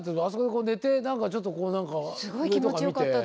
あそこに寝て何かちょっとこう上とか見て。